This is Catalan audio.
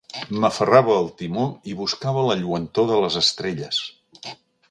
M'aferrava al timó i buscava la lluentor de les estrelles.